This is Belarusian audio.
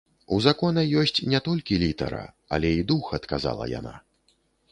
У закона ёсць не толькі літара, але і дух, адказала яна.